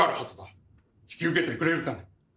引き受けてくれるかね？